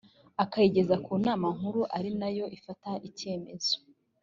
akayigeza ku nama nkuru ari nayo ifata icyemezo